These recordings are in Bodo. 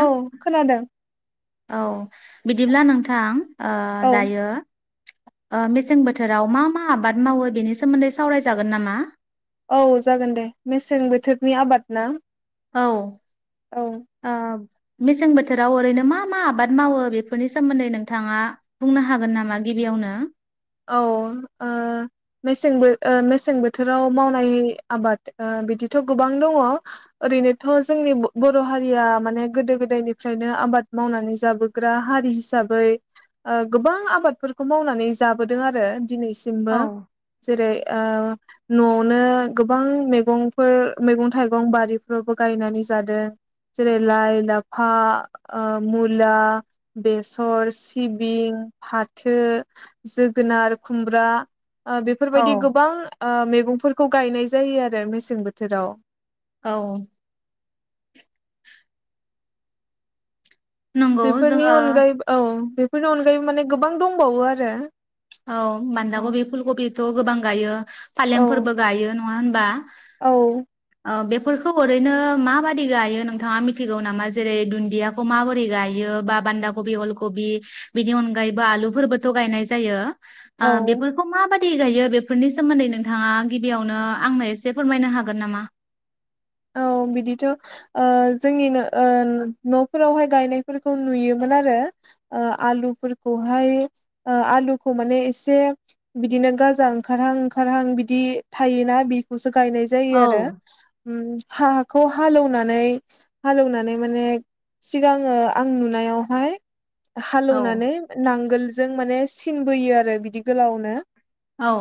औ खोनादों। औ बिदिब्ला नोंथां ओ औ दायो मेसें बोथोराव मा मा आबाद मावो बेनि सोमोन्दै सावरायजागोन नामा औ जागोन दे मेसें बोथोरनि आबाद ना। औ औ औ मेसें बोथोराव ओरैनो मा मा आबाद मावो बेफोरनि सोमोन्दै नोंथाङा बुंनो हागोन नामा गिबियावनो। औ ओ मेसें ओ मेसें बोथोराव मावनाय आबाद बिदिथ गोबां दङ। ओरैनोथ जोंनि बर' हारिया माने गोदो गोदायनिफ्रायनो आबाद मावनानै जाबोग्रा हारि हिसाबै गोबां आबादफोरखौ मावनानै जा बोदों आरो दिनैसिमबो औ जेरै ओ नआवनो गोबां मैगंफोर मैगं थाइगं बारिफ्रावबो गायनानै जादों। जेरै लाइ लाफा ओ मुला बेसर सिबिं फाथो जोगोनार खुमब्रा ओ औ बेफोरबायदि गोबां ओ मे मैगंफोरखौ गायनाय जायो आरो मेसें बोथोराव। औ नंगौ बेफोरनि जोङो अनगायै औ बेफोरनि अनगायैबो माने गोबां दं। बावो आरो औ बान्दा औ कबि फुलकबि त गोबां गायो। औ फालेंफोरबो गायो। नङा होनबा? औ ओ बेफोरखौ ओरैनो माबादि गायो नोंथाङा मिथिगौ नामा? जेरै दुन्दियाखौ माबोरै गायो बा बान्दा कबि अल कबि बिनि अनगायैबो आलुफोरबोथ गायनाय जायो। आ औ बेफोरखौ माबाय दि गायो बेफोरनि सोमोन्दै नोंथाङा गिबियावनो आंनो एसे फोरमायनो हागोन नामा औ बिदिथ ओ जोंनि ओ नफोरावहाय गायनायफोरखौ नुयोमोन आरो। आलुफोरखौहाय ओ आलुखौ माने एसे बिदिनो गाजा ओंखारहां ओंखारहां बिदि थायोना बेखौसो गायनाय जायो औ आरो। उम हाखौ हालेवनानै हालेवनानै माने सिगाङो आं नुनायावहाय। औ हालौवनानै नांगोल जों माने सिन बोयो आरो बिदि गोलावनो। औ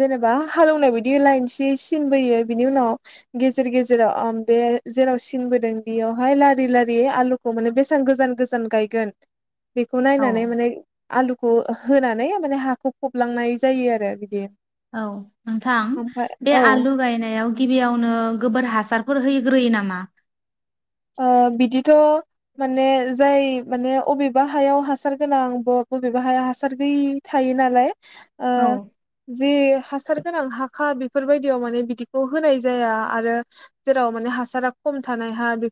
जेनेबा हालौवनाय बायदि लायनसे सिनबोयो बिनि उनाव गेजेर गेजेराव ओ बे जेराव सिनबोदों बेयावहाय लारि लारि आलुखौ माने बेसेबां गोजान गोजान गायगोन बेखौ नायनानै माने आलुखौ होनानै माने हाखौ फबलांनाय जायो आरो बिदि औ नोंथां ओमफ्राय बे औ आलु गायनायाव गिबियावनो गोबोर हासारफोर होग्रोयो नामा ओ बिदिथ' माने जाय माने बबेबा हायाव हासार गोनां ब बबेबा हाया हासार गैय थायो नालाय ओ औ जि हासार गोनां हाखा बेफोरबायदियाव माने बिदिखौ होनाय जाया आरो जेराव माने हासारा खम थानाय हा बे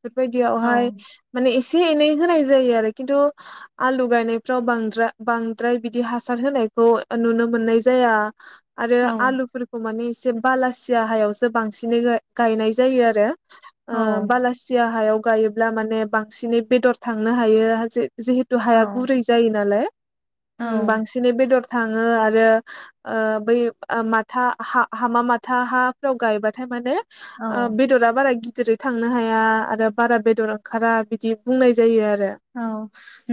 औ बेफोरबायदियावहाय माने एसे एसे एनै होनाय जायो आरो खिन्थु आलु गायनायफ्राव बां बांद्राय बिदि हासार होनायखौ नुनो मोननाय जाया आरो औ आलुफोरखौ माने एसे एसे बालासिया हायावसो बांसिनै गा गायनाय जायो आरो ओ औ बालासि हायाव गायोब्ला माने बांसिनै बेदर थांनो हायो हाजो जिहेथु हाया गुरै जायो नालाय ओ औ बांसिनै बेदर थाङो आरो ओ बै माथा हामा माथा हाफ्राव गायबाथाय माने ओ औ बिदरा बारा गि जेरै थांनो हाया आरो बारा बेदर ओंखारा बिदि बुंनाय जायो आरो औ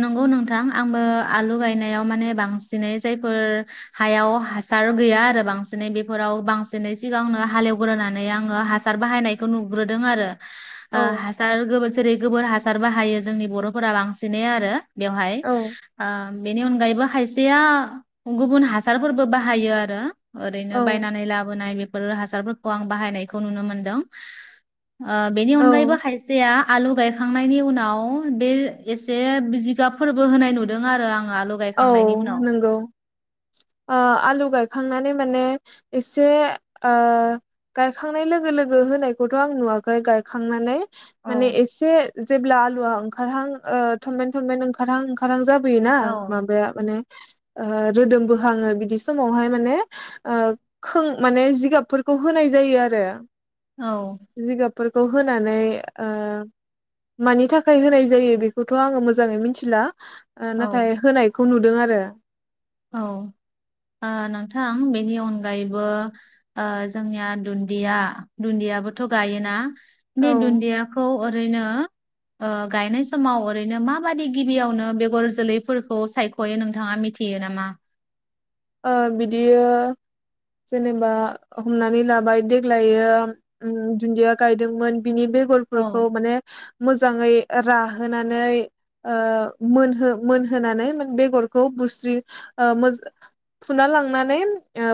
नंगौ नोंथां आंबो आलु गाय नायाव‌ माने बांसिनै जायफोर हायाव हासार गैया आरो बांसिनै बेफोराव बांसिनै सिगांनो हालेवग्रोनानै आङो हासार बाहायनायखौ नुग्रोदों आरो आ औ हासार गोबो जेरै गोबोर हासार बाहायो जोंनि बर' फोरा बांसिनै आरो बेवहाय औ ओ बेनि अनगायैबो खायसेया गुबुन हासारफोरबो बाहायो आरो ओरैनो औ बायनानै लाबोनाय बेफोर हासा फोरखौ आं बाहायनायखौ नुनो मोनदों ओ बेनि औ अनगारबो खायसेया आलु गायखां खांनायनि उनाव बे एसे जिगाब फोरबो होनाय नुदों आरो आं औ नंगौ ओ आलु गायखांनानै माने एसे ओ गायखांनाय लोगो लोगो होनायखौथ' आं नुवाखै गायखांनानै औ माने एसे जेब्ला आलुआ ओंखारहां ओ थमेन थमेन ओंखारहां ओंखारहां जाब औ माने ओ रोदोम बोखाङो बिदि समावहाय माने माने जिगाबफोरखौ होनाय जायो आरो। औ फोरखौ होनानै ओ मानि थाखाय होनाय जायो। बेखौथ' आङो मोजाङै मिथिला आ नाथाय होनायखौ नुदों आरो। औ ओ नोंथां बेनि अनगायैबो ओ जोंनिया दुन्दिया दुन्दियाबोथ' गायोना बेे औ दुन्दियाखौ ओरैनो ओ गायनाय समाव ओरैनो माबादि गिबियावनो बेगर जोलैफोरखौ सायख'यो नोंथाङा मिथि यो नामा? ओ बिदियो जेनेबा हमनानै लाबाय देग्लायो उम दुन्दिया गायदोंमोन। बिनि बेगरफोरखौ औ माने मोजाङै राहोनानै ओ मोनहो मोनहोनानै बेगरखौ बुस्रि ओ फुना लांनानै ओ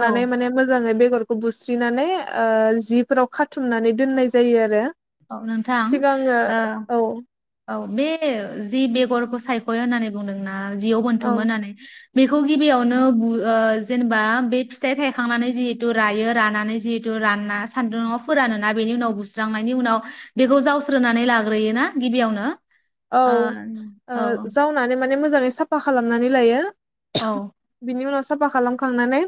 औ माने मोजाङै बे बेगरखौ बुस्रिनानै ओ जिफोराव खाथुमनानै दोननाय जायो आरो। औ नोंथां सिगाङो औ औ बे जि बेगरखौ सायख'यो होननानै बुंदोंना। जियाव औ बोनथुमो होननानै बेखौ गिबियावनो ओ जेनेबा बे फिथाइ थायखांनानै जिहेथु रायो रानानै जिहेतु रानना सान्दुंआव फोरानोना बेनि उनाव बुस्रांनायनि उनाव बेखौ जावस्रोनानै लाग्रोयोना गिबियावनो औ ओ जावनानै माने मोजाङै साफा खालामनानै लायो। औ बिनि उनाव साफा खालामखांनानै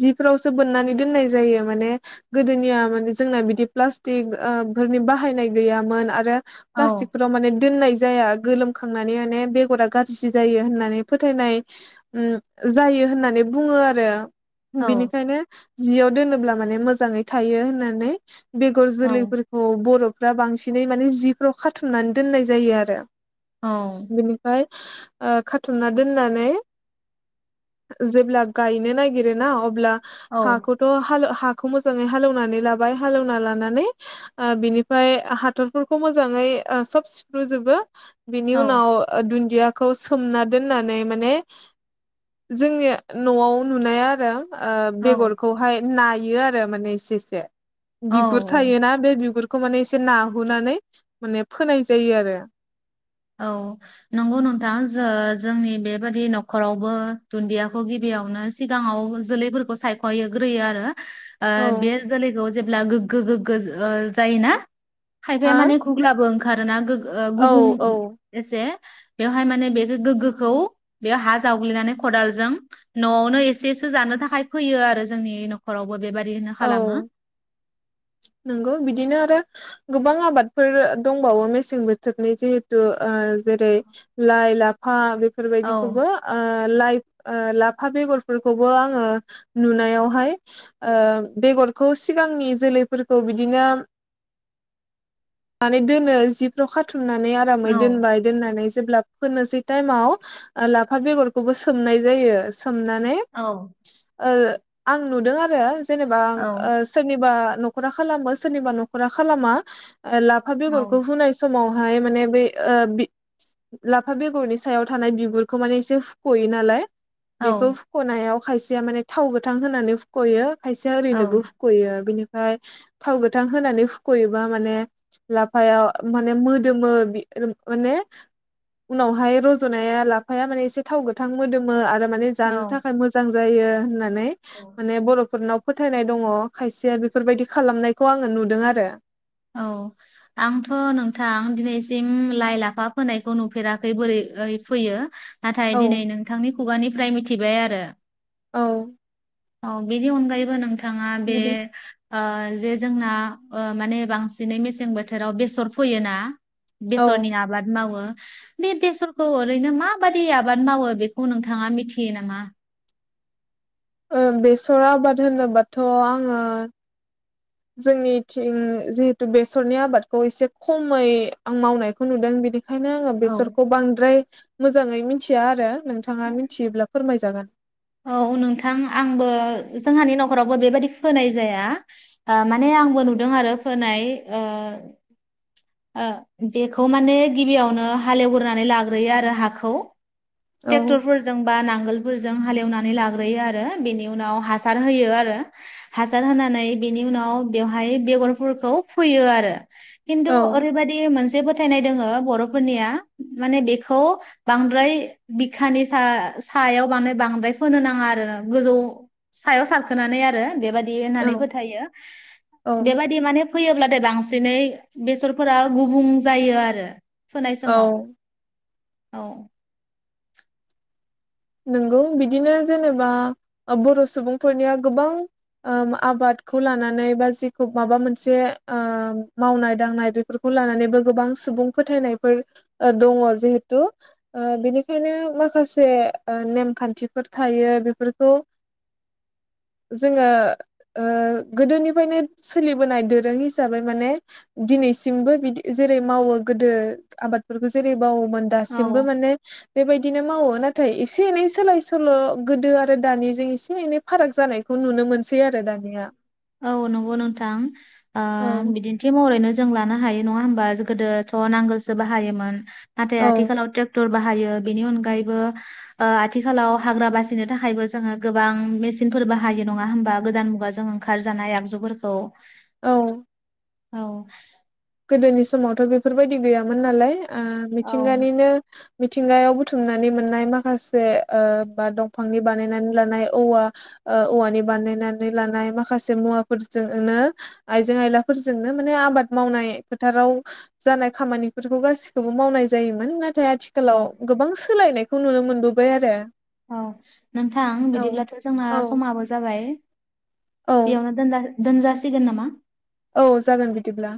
जिफोरावसो बोननानै दोननाय जायो माने गोदोनिया माने जोंना बिदि प्लास्टिक ओ फोरनि बाहायनाय गैयामोन आरो। औ प्लास्टिकफोराव माने दोननाय जाया गोलोमखांनानै माने बेगरा गाज्रि जायो होननानै फोथायनाय उम जायो होननानै बुङो आरो। बिनिखायनो जियाव दोनोब्ला माने मोजाङै थायो होननानै। बेगर औ जोलैफोरखौ बरफ फ्रा बांसिनै माने जि र' खाथुमनानै दोननाय जायो आरो। औ बिनिफाय ओ खाथुमना दोननानै जेब्ला गायनो नागिरोना अब्ला औ हाखौथ हालौ हा मोजाङै हालेवनानै लाबाय हालेवना लानानै ओ बिनिफ्राय हाथरफोरखौ मो जाङै सब सिफ्रुजोबो। बिनि औ उनाव दुन्दिया खौ सोमना दोननानै माने जोंनि न'आव नुनाया आरो ओ औ बेगरखौहाय नायो आरो माने एसे एसे औ बिगुर औ थायोना बे बिगुर खौ माने एसे नाहुनानै माने फोनाय जायो आरो। औ नंगौ नोंथां जो जोंनि बेबादि न'खरावबो दुन्दियाखौ गिबियावनो सिगाङाव जोलैफोरखौ सायखयो ग्रोयो आरो। ओ औ बे जोलैखौ जे ब्ला गोग्गो गोग्गो जायो ना। खायफाया हा माने घुगलाबो ओंखारोना गोग ओ औ गुबुं औ जे बेहाय माने बे गोग्गोखौ बे हा जावग्लिनानै खदालजों नयावनो एसेसो जानो थाखाय फैयो आरो जोंनि न'खरावबो बेबादि नो औ खालामो नंगौ बिदिनो आरो गोबां आबादफोर दंबावो मेसें बोथोरनि जिहेतु ओ जेरै लाय ला ह बे बेफोर औ बायदिखौबो लाइ ओ लाफा बेगरफोरखोबो आङो नुनायावहाय ओ बेगरखौ सिगांनि जोलै फोरखौ बिदिनो माने दोनो जिफ्राव खाथुम नानै आरामै औ दोनबाय दोननानै जोब जेब्ला मोनोसै समाव लाफा बेरखौबो सोमनाय जायो। सोमनानै औ ओ आं नुदों आरो। जेनेबा औ सोरनिबा। न'खरा खालामो सोरनिबा न'खरा खालामा लाफा बेगरखौ औ हुनाय समाव हाय माने बेै ओ लाफा बेगरनि सायाव थानाय बिगुरखौ माने एसे फुख'यो नालाय। बेखौ औ हुखनायाव खायसेया माने थाव गोथां होनानै हुखयो। खायसेया ओरैनोबो हुखयो बिनि फ्राय थाव गोथां होनानै हुखयोबा माने लाफायाव माने मोदोमो माने उनावहाय रजनाया लाफाया माने एसे थाव गोथां मोदोमो आरो माने जानो औ थाखाय मोजां जायो होननानै माने औ माने बर'फोरनाव फोथायनाय दङ खायसेया बे बेफोरबायदि खालामनायखौ आङो नुदों आरो। औ आंथ' नोंथां दिनैसिम लाइ लाफा फोनायखौ नुफेराखै बोरै फोयो नाथाय औ दिनै नोंथांनि खुगानिफ्राय मिथिबाय आरो औ औ बिदि अनगायैबो नोंथां थाङा बे बिदि ओ जे जोंना माने बांसिनै मेसें बोथोराव बेसर फैयोना औ बेसरनि आबाद मावो बे बेसरखौ ओरैनो माबादि आबाद मावो बेखौ नोंथाङा मिथियो नामा ओं बेसर आबाद होनोबाथ' आङो जोंनिथिं जिहेतु बेसरनि आबादखौ एसे खमै आं मावनायखौ नुदों बिदि ओंखायनो आङो बेसरखौ बांद्राय मोजाङै मिथिया आरो नोंथाङा मिथियोब्ला फोरमाय जागोन औ नोंथां आंबो जोंहानि न'खरावबो बेबायाददि फोनाय जाया माने ओ आंबो नुदों आरो फोनाय ओ ओ बेखौ माने गिबियावनो हालेवग्रोनानै लाग्रोयो आरो हाखौ औ ट्रेक्टरफोरजोंबा नां नांगोलफोरजों हालेवनानै लाग्रोयो आरो बेनि उनाव हासार होयो आरो हासार होनानै बेनि उनाव बेवहाय बेगरफोरखौ फोयो आरो औ खिनथु ओरैबायदि मोनसे जे फोथायनाय दङो बर'फोरनिया माने बेखौ बांद्राय बिखानि सा सायाव बांद्राय द्राय फोनो नाङा आरोना गोजौ‌ सायाव सारखोनानै आरो दि औ होननानै फोथायो औ बेबायदि माने फैयोब्लाथाय बांसिन दिनै बेसरफोरा गुबुं जायो आरो फोनाय औ समाव औ नंगौ बिदिनो जेनेबा बर' सुबुंफोरनिया गोबां ओ आबादखौ लानानै बा जिखौ माबा मोनसे ओ मावनाय दांनाय बेफोरखौ लानानैबो गोबां सुबुं फोथायनायफोर दङ जिहेथु ओ बेनिखायनो माखासे ओ नेमखान्थिफोर थायो बेफोरखौ जोङो ओ गोदोनिफ्रायनो सोलिबोनाय दोरों हिसाबै माने दिनैसिमबो बिदि जेरै मावो गोदो आबादफोरखौ जेरै मावोमोन दासिमबो माने बेबायदिनो मावो नाथाय एसे एनै सोलाय सोल' गोदो आरो दानिजों एसे एनै फाराग जानायखौ नुनो मोनसै आरो दानिया औ नंगौ नोंथां ओ औ बिदिन्थि महरैनो जों लानो हायो नङा होमबा जों गोदोथ' नांगोलसो बाहायोमोन नाथाय औ आथिखालाव ट्रेक्टर बाहायो। बेनि अनगायैबो ओ आथिखालाव हाग्रा बासिनो थाखायबो जोङो गोबां मेसिनफोर बाहायो नङा होमबा गोदान मुगाजों। खारजानाय आगजुफोरखौ औ औ गोदोनि समावथ बेफोरबायदि गैयामोन नालाय। ओ औ मिथिंगानिनो मिथिंगायाव बुथुमनानै मोननाय माखासे ओ बा दंफांनि बानायनानै लानाय औवा ओ औवानि बानायनानै लानाय माखासे मुवाफोरजोंनो आइजें आयलाफोरजोंनो माने आबाद मावनाय। फोथाराव जानाय खामानिफोरखौ गासिखौबो मावनाय जायोमोन ना थाय आथिखालाव गोबां सोलायनाय खौ नुनो मोनबोबाय आरो। औ नोंथां औ बिदिब्लाथ जोंना औ समाबो जाबाय। औ बेयावनो दोन दोनजासिगोन नामा? औ जागोन बिदिब्ला।